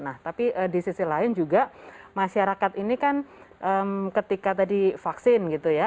nah tapi di sisi lain juga masyarakat ini kan ketika tadi vaksin gitu ya